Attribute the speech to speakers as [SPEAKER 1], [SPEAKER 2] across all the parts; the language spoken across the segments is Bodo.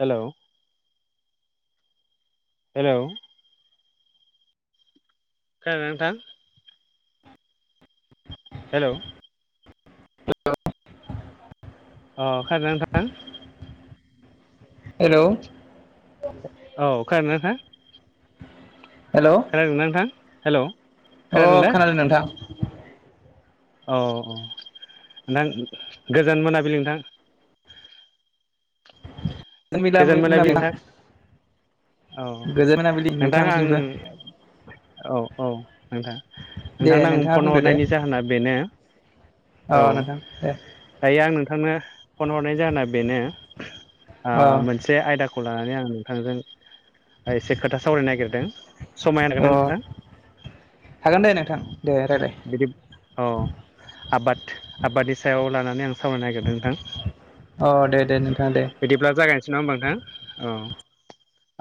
[SPEAKER 1] हेल'! हेल'! खोनादों नोंथां?
[SPEAKER 2] [inaudible]
[SPEAKER 1] हेल'! अ खोनादों ना नोथां?
[SPEAKER 2] हेल'।
[SPEAKER 1] औ खोनादोंना नोंथाङा?
[SPEAKER 2] हेल'!
[SPEAKER 1] खोनादोंना नोंथां? हेल'!
[SPEAKER 2] अ खोनादों नोंथां।
[SPEAKER 1] अ नोंथां गोजोन मोनाबिलि नोंथां। गोजोन मोनाबिलि नोंथां
[SPEAKER 2] [unintelligible]
[SPEAKER 1] औ
[SPEAKER 2] गोजोन मोनाबिलि
[SPEAKER 1] नोंथां आं
[SPEAKER 2] नोंथांनिसिमबो।
[SPEAKER 1] औ औ नोंथां।
[SPEAKER 2] दे
[SPEAKER 1] नोंथांनो आं
[SPEAKER 2] नोंथाङा
[SPEAKER 1] फन
[SPEAKER 2] बुंदो
[SPEAKER 1] हरनायनि जाहोना बेनो
[SPEAKER 2] औ नोंथां दे।
[SPEAKER 1] दायो आं नोंथांनो फन हरनाय जाहोना बेनो ओ
[SPEAKER 2] अ
[SPEAKER 1] मोनसे आयदाखौ लानानै आं नोंथांजों दा एसे खोथा सावरायनो नागिरदों। सम होनो
[SPEAKER 2] अ
[SPEAKER 1] हागोनना नोंथां?
[SPEAKER 2] हागोन दे नोंथां, दे रायलाय।
[SPEAKER 1] बिदि औ आबाद, आबादनि सायाव लानानै आं सावरायनो नागिरदों नोंथां।
[SPEAKER 2] अ दे दे नोंथा दे।
[SPEAKER 1] बिदिब्ला जागायनोसै नङा होमबा नोंथां? अ।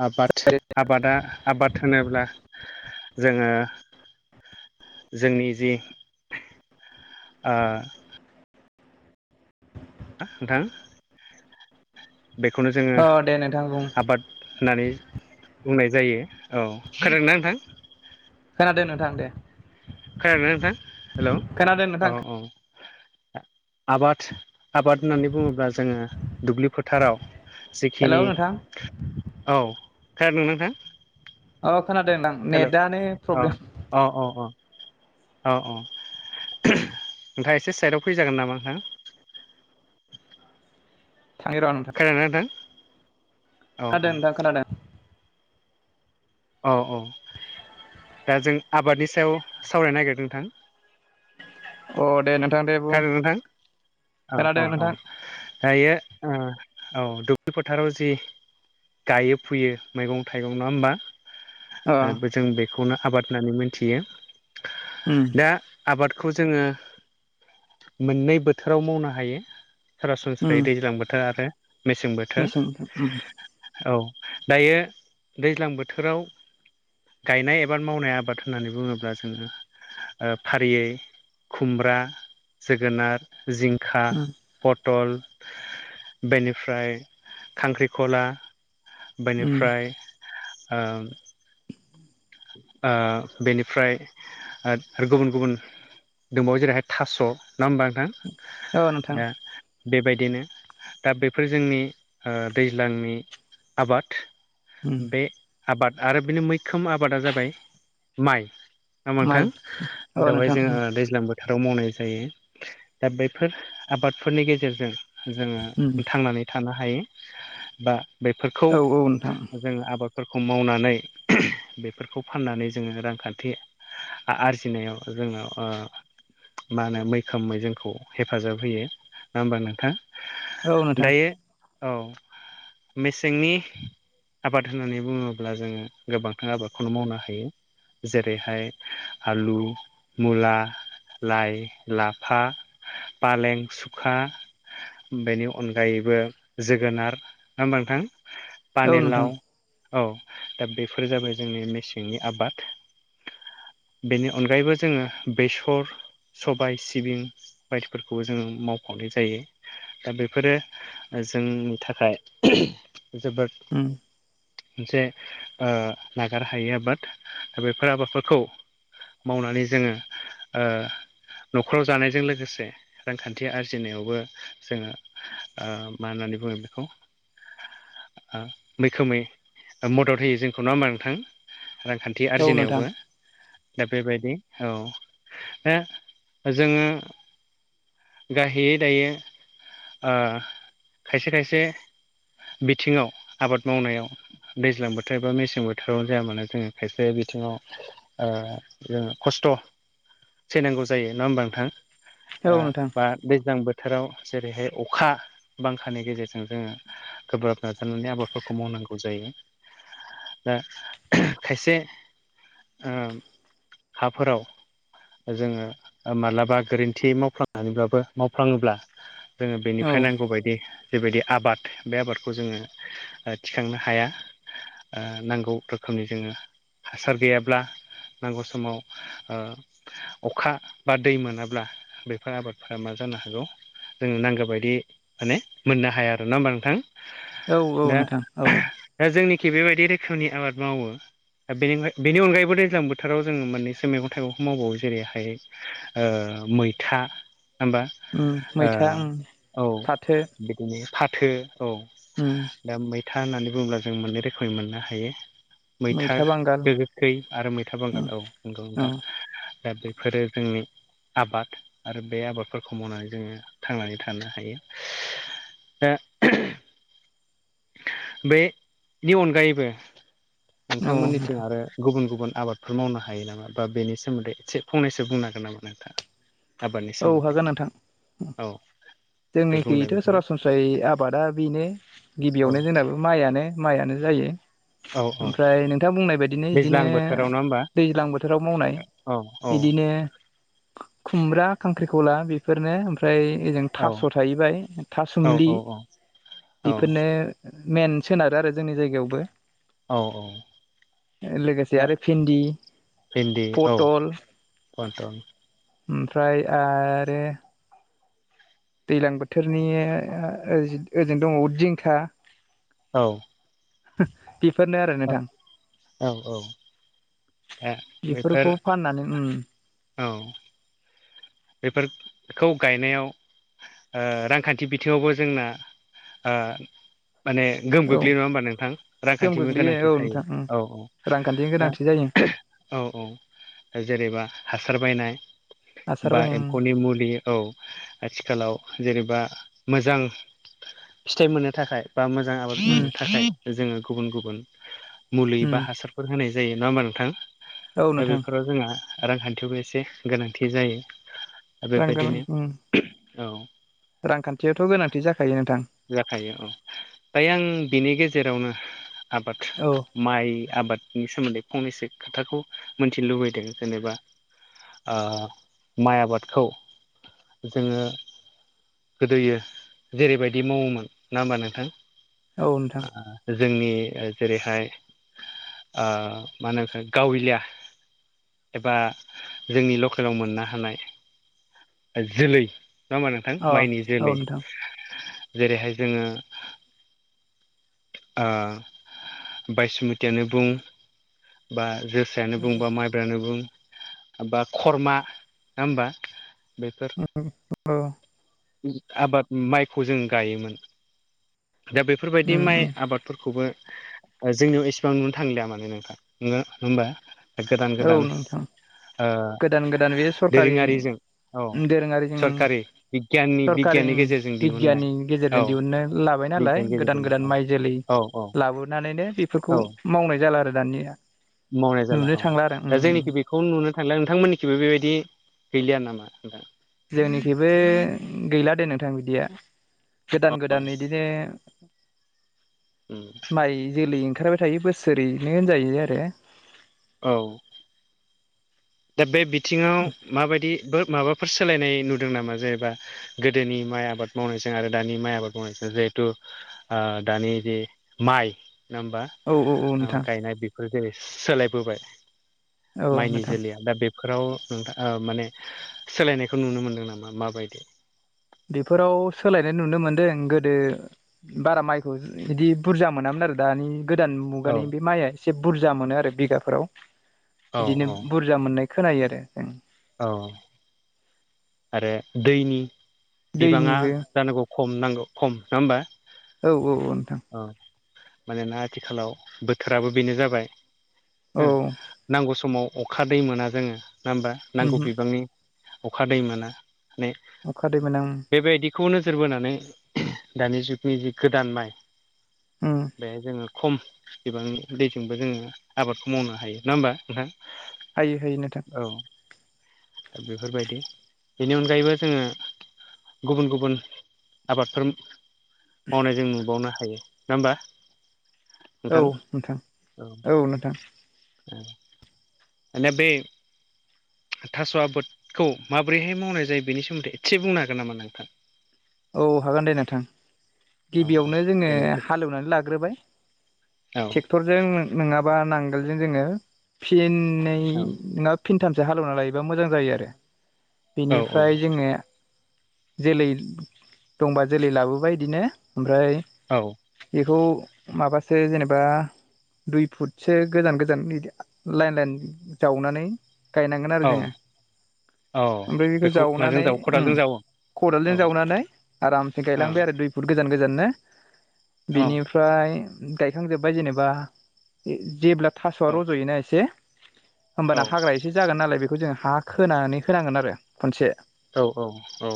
[SPEAKER 1] आबाद आबादा आबाद होनोब्ला जोङो जोंनि जि ओ नोंथां बेखौनो जोङो
[SPEAKER 2] अ दे नोंथां बुं
[SPEAKER 1] आबाद होननानै बुंनाय जायो। औ खोनादोंना नोंथां?
[SPEAKER 2] खोनादों नोंथां दे।
[SPEAKER 1] खोनादों नोंथां? हेल'!
[SPEAKER 2] खोनादों नोंथां
[SPEAKER 1] औ औ। आबाद आबाद होननानै बुङोब्ला जोङो दुब्लि फोथाराव
[SPEAKER 2] हेलौ
[SPEAKER 1] जेखिनि
[SPEAKER 2] नोंथां
[SPEAKER 1] औ। खोनादोंना नोंथां?
[SPEAKER 2] अ खोनादों नोंथां।
[SPEAKER 1] हेल'
[SPEAKER 2] नेटआनो
[SPEAKER 1] अ
[SPEAKER 2] प्रब्लेम
[SPEAKER 1] अ अ अ औ औ नोंथाङा एसे साइदआव फैजागोन नामा नोंथां।
[SPEAKER 2] थांनि र' नोंथां।
[SPEAKER 1] खोनादों ना नोंथां। औ
[SPEAKER 2] खोनादों
[SPEAKER 1] औ
[SPEAKER 2] नोंथां खोनादों।
[SPEAKER 1] औ औ।
[SPEAKER 2] [unintelligible]
[SPEAKER 1] दा जों आबादनि सायाव सावरायनो नागिरदों नोंथां।
[SPEAKER 2] अ दे नोंथां दे। बुं
[SPEAKER 1] थारैनो नोंथां औ
[SPEAKER 2] खोनादों
[SPEAKER 1] अ अ।
[SPEAKER 2] नोंथां
[SPEAKER 1] दायो औ दुब्लि फोथाराव जि गायो फुयो मैगं थाइगं नङा
[SPEAKER 2] अ
[SPEAKER 1] होमबा। जों बेखौनो आबाद होननानै मोनथियो
[SPEAKER 2] ओम
[SPEAKER 1] दा आबादखौ जोङो मोननै बोथोराव मावनो हायो
[SPEAKER 2] उम
[SPEAKER 1] सरासनस्रायै दैज्लां बोथोर आरो मेसें बोथोर औ दायो दैज्लां बोथोराव गायनाय एबाद मावनाय आबाद होननानै बुङोब्ला जोङो फारियै खुमब्रा जोगोनार जिंखा
[SPEAKER 2] उम
[SPEAKER 1] पटल बेनिफ्राय खांख्रिखला
[SPEAKER 2] उम
[SPEAKER 1] बेनिफ्राय बेनिफ्राय गुबुन गुबुन दंबावो जेरैहाय थास' नङा होमबा
[SPEAKER 2] औ नोंथां
[SPEAKER 1] नोंथां दा बेबायदिनो दा बेफोर जोंनि दैज्लांनि आबाद
[SPEAKER 2] उम
[SPEAKER 1] बे आबाद आरो बिनि मैखोम आबादा जाबाय माइ नामांथां
[SPEAKER 2] माइ औ
[SPEAKER 1] बेेरावहाय
[SPEAKER 2] नोंथां
[SPEAKER 1] जोङो दैज्लां बोथोर फोथाराव मावनाय जायो दा बेफोर आबादफोरनि गेजेरजों
[SPEAKER 2] उम
[SPEAKER 1] जोङो थांनानै थानो हायो बा बेफोरखौ
[SPEAKER 2] औ औ नोंथां
[SPEAKER 1] जोंङ आबादफोरखौ मावनानै बे फोरखौ फाननानै जोङो रांखान्थि आरजिनायाव जोङो मा होनो मैखोमै जोंखौ हेफाजाब होयो ना होमबा नोंथां।
[SPEAKER 2] औ नोंथां
[SPEAKER 1] दायो औ मेसेंनि आबाद होननानै बुङोब्ला जोङो गोबांथां आबाद नो मावनो हायो जेरैहाय आलु मुला लाइ लाफा फालें सुखा बेनि अनगायैबो जोगोनार नङा होमबा नोंथां
[SPEAKER 2] औ नोंथां
[SPEAKER 1] पानिलाव औ दा बेफोर जाबाय जोंनि मेसेंनि आबाद बेनि अनगायैबो जोङो बेसर सबाय सिबिं बायदिफोरखौबो जोङो मावफावनाय जायो। दा बेफोरो जोंनि थाखाय जोबोद
[SPEAKER 2] उम
[SPEAKER 1] मोनसे नागार हायि आबाद दा बेफोर आबादफोरखौ मावनानै जोङो न'खराव जानायजों लोगोसे रांखान्थि आरजिनायावबो जोङो मा होननानै बुङो बेखौ मैखोमै मदद होयो जोंखौ नङा होमबा नोथां रांखान्थि
[SPEAKER 2] औ नोंथां
[SPEAKER 1] आरजिनायावबो। दा बेबायदि औ दा जोङो गाहाययै दायो खायसे खायसे बिथिङाव आबाद मावनायाव दैज्लां बोथोर एबा मेसें बोथोरावनो जाया मानो जोङो खायसे बिथिङाव ओ जों खस्थ' सैनांगौ जायो नङा होमबा नोंथां?
[SPEAKER 2] औ नोंथां
[SPEAKER 1] दा दा दैज्लां बोथोराव जेरैहाय अखा बांखानि गेजेरजों जोङो गोब्राब नाजानानै आबादफोरखौ मावनांगौ जायो। दा खायसे ओ हाफोराव जोङो माब्लाबा गोरोन्थि मावफ्लाङो। मानिबाबो मावफ्लाङोब्ला जोङो
[SPEAKER 2] औ
[SPEAKER 1] बेनिफ्राय नांगौ बायदि जिबायदि आबाद बे आबादखौ जोङो ओ थिखांनो हाया। ओ नांगौ रोखोमनि जोङो हासार गैयाब्ला नांगौ समाव ओ अखा बा दै मोनाब्ला बा आबादफोरा मा जानो हागौ जोंङो नांगौ बायदि माने मोननो हाया आरो, नङा होमबा नोंथां?
[SPEAKER 2] औ औ नोंथां औ
[SPEAKER 1] दा दा जोंनिखै बेबायदि रोखोमनि आबाद मावो। बेनि बेनि अनगायबो दैज्लां बोथोराव जोङो मोननैसो मैगं थाइगंखौ मावबावो जेरैहाय ओ मैथा नङा होमबा
[SPEAKER 2] उम मैथा उम
[SPEAKER 1] ओ औ।
[SPEAKER 2] फाथो
[SPEAKER 1] बिदिनो फाथो औ।
[SPEAKER 2] उम
[SPEAKER 1] दा मैथा होननानै बुङोब्ला जों मोननै रोखोमनि मोननो हायो। मैथा गो गोखै आरो मैथा
[SPEAKER 2] उम
[SPEAKER 1] बांगाल औ नोंगौ
[SPEAKER 2] औ
[SPEAKER 1] नोंथां। दा बेफोरो जोंनि आबाद आरो बे आबादफोरखौ मावनानै जोङो थांनानै थानो हायो। दा बे बेनि अनगायैबो
[SPEAKER 2] औ
[SPEAKER 1] नोंथांमोननिथिं
[SPEAKER 2] नोंथां
[SPEAKER 1] आरो गुबुन गुबुन आबादफोर मावनो हायो नामा बा बेनि सोमोन्दै एसे फंनैसो बुंनो हांगोन नामा नोंथाङा? आबादनि
[SPEAKER 2] औ
[SPEAKER 1] सोमोन्दै
[SPEAKER 2] हागोन नोंथां।
[SPEAKER 1] औ दे बुंलाय
[SPEAKER 2] जोंनिखैयैथ'
[SPEAKER 1] बिदिनो
[SPEAKER 2] सरासन ओमफ्राय आबादा बेनो
[SPEAKER 1] औ
[SPEAKER 2] गिबियावनो जोंनाबो माइआानो माइआानो जायो।
[SPEAKER 1] औ औ
[SPEAKER 2] ओमफ्राय नोंथां बुंनाय बाय दिनो बिदिनो
[SPEAKER 1] दैज्लां बोथोराव नङा होमबा
[SPEAKER 2] दैज्लां बोथोराव मावनाय
[SPEAKER 1] औ औ
[SPEAKER 2] बिदिनो खु खुमब्रा खांख्रिखला बे फोरनो ओमफ्राय ओजों
[SPEAKER 1] औ
[SPEAKER 2] थास' थाहैबाय
[SPEAKER 1] औ
[SPEAKER 2] थासुमलि
[SPEAKER 1] औ औ
[SPEAKER 2] बेफोरनो मेन सोनारो आरो जोंनि जायगायावबो।
[SPEAKER 1] औ औ
[SPEAKER 2] लोगोसे आरो भिन्दि,
[SPEAKER 1] भिन्दि औ
[SPEAKER 2] पटल
[SPEAKER 1] पटल
[SPEAKER 2] ओमफ्राय आरो दैज्लां बोथोरनि ओ ओजों दङ जिंखा
[SPEAKER 1] औ
[SPEAKER 2] बेफोरनो आरो नोंथां।
[SPEAKER 1] ओ
[SPEAKER 2] बेफोरखौ
[SPEAKER 1] बेफोर
[SPEAKER 2] फाननानै उम
[SPEAKER 1] औ बेफोर खौ गायनायाव ओ रांखान्थि बिथिङावबो जोंना ओ माने गोहोम
[SPEAKER 2] औ
[SPEAKER 1] गोग्लैयो नङा होमबा नोंथां?
[SPEAKER 2] गोहोम
[SPEAKER 1] रांखान्थिनिबो गोनांथि
[SPEAKER 2] गोग्लैयो औ
[SPEAKER 1] थायो
[SPEAKER 2] नोंथां उम
[SPEAKER 1] औ औ
[SPEAKER 2] रांखान्थिनि
[SPEAKER 1] दा
[SPEAKER 2] गोनांथि जायो
[SPEAKER 1] औ औ जेनेबा हासार बायनाय
[SPEAKER 2] हासार
[SPEAKER 1] बा
[SPEAKER 2] बायनाय उम
[SPEAKER 1] एम्फौनि मुलि औ आथिखालाव जेनेबा मोजां फिथाइ मोननो थाखाय बा मोजां आबाद
[SPEAKER 2] उम
[SPEAKER 1] मावनो थाखाय जोङो गुबुन गुबुन मुलि बा
[SPEAKER 2] उम
[SPEAKER 1] हासार फोर होनाय जायो नङा होमबा नोंथां?
[SPEAKER 2] औ
[SPEAKER 1] दा
[SPEAKER 2] नोंथां
[SPEAKER 1] बेफोराव जोंहा रांखान्थियावबो एसे गोनांथि जायो। दा
[SPEAKER 2] रां गोनां
[SPEAKER 1] बेबायदिनो
[SPEAKER 2] उम
[SPEAKER 1] औ
[SPEAKER 2] रांखान्थियावथ' गोनांथि जाखायो नोंथां।
[SPEAKER 1] जाखायो औ दायो आं बिनि गेजेरावनो आबाद
[SPEAKER 2] औ
[SPEAKER 1] माइ आबादनि सोमोन्दै फंनैसो खोथाखौ मिथिनो लुबैदों जेनेबा। ओ माइ आबादखौ जोङो गोदोयो जेरैबायदि मावोमोन नङा होमबा नोंथां?
[SPEAKER 2] औ नोंथां
[SPEAKER 1] जोंनि जेरैहाय मा होनो गावलिया। एबा जोंनि लकेलाव मोननो हानाय जोलै। नंडा़ होमबा नोंथां?
[SPEAKER 2] अ
[SPEAKER 1] माइनि
[SPEAKER 2] औ
[SPEAKER 1] जोलै
[SPEAKER 2] नोंथां
[SPEAKER 1] जेरैहाय जोङो ओ बायसुमतियानो बुं बा जोसायानो बुं बा माइ ब्रा बुं बा खर्मा नङा हबा बेफोर?
[SPEAKER 2] औ-औ।
[SPEAKER 1] आबाद माइखौ जों गायोमोन दा बे फोरबायदि माइ आबादफोरखौबो जोंनियाव इसिबां नुनो थांलिया माने नोंथा नामबा
[SPEAKER 2] औ
[SPEAKER 1] गोदान-गोदान।
[SPEAKER 2] नोंथां गोदान गोदान बे सरखारि
[SPEAKER 1] दोरोङारिजों औ
[SPEAKER 2] दोरोङारिजों
[SPEAKER 1] सरखारि बिगियाननि
[SPEAKER 2] सरकारि
[SPEAKER 1] बिगियाननि गेजेरजों दिहुननाय
[SPEAKER 2] बिगियाननि
[SPEAKER 1] औ
[SPEAKER 2] गेजेरजों दिहुनो लाबाय नालाय
[SPEAKER 1] बिगियाननि गेजेरजोंनो औ
[SPEAKER 2] गोदान-गोदान माइ जोलै।
[SPEAKER 1] औ औ
[SPEAKER 2] लाबोनानैनो बेफोरखौ
[SPEAKER 1] औ
[SPEAKER 2] मावनाय जाला आरो दानिया।
[SPEAKER 1] मावनाय जाला
[SPEAKER 2] नुनो
[SPEAKER 1] औ
[SPEAKER 2] थांला आरो
[SPEAKER 1] दा जोंनिखि बि खौ नुनो थांला। नोंथांमोननिखिबो बेबायदि गैलिया नामा नोंथां?
[SPEAKER 2] जोंनिखैबो गैला दे नोंथां बिदिया। गोदान-गोदान इदिनो
[SPEAKER 1] उम।
[SPEAKER 2] माइ जोलै ओंखारबाय थायो बोसोरैनो होनजायो आरो।
[SPEAKER 1] औ। दा बे बिथिङाव माबायदि बो माबाफोर सोलायनाय नुदों नामा जेनेबा? गोदोनि माइ आबाद मावनायजों आरो दानि माइ आबाद मावनायजों जेहेथु ओ दानि जे माइ नङा होमबा?
[SPEAKER 2] औ औ औ
[SPEAKER 1] ओ
[SPEAKER 2] नोंथां
[SPEAKER 1] गायनाय बेफोर जेरै सोलायबोबाय
[SPEAKER 2] औ
[SPEAKER 1] माइनि
[SPEAKER 2] नोंथां
[SPEAKER 1] जोलैया। दा बेफोराव नोंथां ओ माने सोलायनायखौ नुनो मोनदों नामा माबायदि?
[SPEAKER 2] बेफोराव सोलायनाय नुनो मोन्दों। गोदो बारा माइखौ इदि बुरजा मोनामोन आरो दानि गोदान
[SPEAKER 1] औ
[SPEAKER 2] मुगानि बे माइआ एसे बुरजा मोनो आरो बिघाफोराव
[SPEAKER 1] औ
[SPEAKER 2] इदिनो बुर जा मोननाय खोनायो आरो ओं।
[SPEAKER 1] अ। आरो दैनि बिबाङा
[SPEAKER 2] दैनिबो
[SPEAKER 1] जानांगौ खम नांगौ खम नङा होमबा?
[SPEAKER 2] औ-औ नोंथां।
[SPEAKER 1] औ मानोना आथिखालाव बोथोराबो बेनो जाबाय
[SPEAKER 2] औ
[SPEAKER 1] हो। नांगौ समाव अखा दै मोना जोङो नाहोमबा नांगौ
[SPEAKER 2] ओमहो
[SPEAKER 1] बिबांनि। अखा दै मोना ने।
[SPEAKER 2] अखा दै मोना ओं।
[SPEAKER 1] बेबायदिखौ नोजोर बोनानै दानि जुगनि जि गोदान माइ।
[SPEAKER 2] उम।
[SPEAKER 1] बेहाय जोङो खम बिबांनि दैजोंबो जोङो आबादखौ मावनो हायो नाहोमबा नोंथां?
[SPEAKER 2] हायो-हायो नोंथां।
[SPEAKER 1] औ दा बेफोरबायदि। बेनि अनगायैबो जोङो गुबुन-गुबुन आबादफोर मावनाय जों नुबावनो हायो नङा होमबा?
[SPEAKER 2] औ नोंथां औ नोंथां।
[SPEAKER 1] उम। माने बै थास' आबोदखौ माबोरैहाय मावनाय जायो बेनि सोमोन्दै एदसे बुंनो हागोन नामा नोंथां?
[SPEAKER 2] औ हागोन दे नोंथां।
[SPEAKER 1] औ औ
[SPEAKER 2] गिबियावनो जोङो
[SPEAKER 1] दिनैसो
[SPEAKER 2] हालेवनानै लाग्रोबाय।
[SPEAKER 1] औ
[SPEAKER 2] टेक्टरजों नोङाबा नांगोलजों जोङो फिननै
[SPEAKER 1] औ
[SPEAKER 2] नोंङा फिनथामसो हालेवना लायोबा मोजां जायो आरो।
[SPEAKER 1] औ
[SPEAKER 2] बेनिफ्राय जोङो जेलै दंबा जेलै लाबोबाय इदिनो ओमफ्राय
[SPEAKER 1] औ।
[SPEAKER 2] इखौ माबासो जेनेबा दुइ फुटसो गोजान गोजान नैदा लाइन लाइन जावनानै गायनांगोन
[SPEAKER 1] औ
[SPEAKER 2] आरो जोङो।
[SPEAKER 1] औ
[SPEAKER 2] ओमफ्राय बेखौ
[SPEAKER 1] माजों
[SPEAKER 2] जावनानै
[SPEAKER 1] जावो
[SPEAKER 2] उम
[SPEAKER 1] खदालजों जावो औ
[SPEAKER 2] खदालदो जावनानै आ रामसे
[SPEAKER 1] औ
[SPEAKER 2] गायलांबाय आरो दुइ फुट गोजान गोजाननो
[SPEAKER 1] औ
[SPEAKER 2] बिनिफ फ्राय गायखांजोब्बाय जेनेबा इ जेब्ला थास'आ
[SPEAKER 1] औ
[SPEAKER 2] रज'योना एसे
[SPEAKER 1] औ
[SPEAKER 2] होमबाना हाग्रा ए [unintelligible] से जागोन नालाय बेखौ जों हा खोनानै होनांगोन आरो खनसे।
[SPEAKER 1] औ औ औ।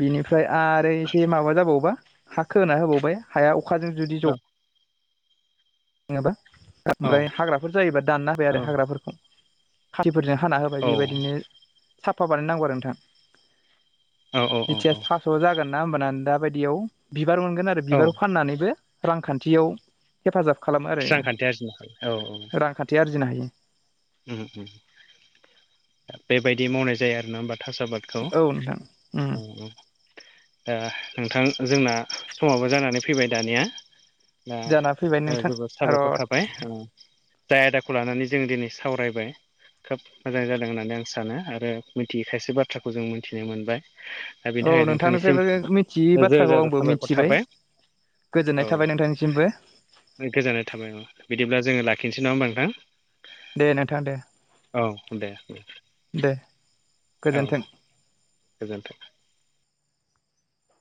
[SPEAKER 2] बिनिफ्राय आरो एसे माबा जाबावोबा हा खोना होबावबाय हाया अखाजों जुदि
[SPEAKER 1] औ
[SPEAKER 2] ज' नोङाबा ओमफ्राय हाग्राफोर जायोबा दानना
[SPEAKER 1] औ
[SPEAKER 2] होबाय आरो हाग्राफोरखौ खाथिफोरजों हाना हो [unintelligible] बेबायदिनो साफा बानायनांगौ आरो नोंथां
[SPEAKER 1] औ
[SPEAKER 2] दिथिया था स' जागोन ना होमबानान दा बायदियाव बिबार मोनगोन आरो
[SPEAKER 1] औ
[SPEAKER 2] बिबार फाननानैबो रांखान्थियाव हेफाजाब खालामो आरो
[SPEAKER 1] रांखान्थि आरजिनो हायो औ
[SPEAKER 2] [unintelligible] रांखान्थि आरजिनो हायो।
[SPEAKER 1] उम- उम बेबायदि मावनाय जायो आरोना होमबा थास' आबाद खौ
[SPEAKER 2] औ नोंथां उम
[SPEAKER 1] औ-औ। ओ नोंथां जोंना समावबो जानानै फैबाय दानिया ना
[SPEAKER 2] जाना फैबाय
[SPEAKER 1] ओ
[SPEAKER 2] नोंथां
[SPEAKER 1] जोबोद
[SPEAKER 2] र'
[SPEAKER 1] साबायखर थाबाय ओ जाय आयदाखौ लानानै जों दिनै सावरायबाय खोब मोजां जादों होननानै आं सानो आरो मिथियै खायसे बाथ्राखौ जों मिनथिनो मोनबाय। दा बेनि
[SPEAKER 2] औ
[SPEAKER 1] थाखाय नोंथांनिसिम
[SPEAKER 2] नोंथांनिफ्रायबो मिथियै
[SPEAKER 1] रोजा
[SPEAKER 2] बाथ्राखौ
[SPEAKER 1] रोजा
[SPEAKER 2] आंबो
[SPEAKER 1] साबायखर
[SPEAKER 2] मिनथिबाय।
[SPEAKER 1] थाबाय
[SPEAKER 2] गोजोननाय थाबाय नोंथांनिसिमबो
[SPEAKER 1] ओ गोजानाय थाबाय अ बिदिब्ला जोङो लाखिनिसै नङा होमबा नोंथां?
[SPEAKER 2] दे नोंथां दे।
[SPEAKER 1] औ दे उम।
[SPEAKER 2] दे गोजोन्थों।
[SPEAKER 1] गोजोन्थों।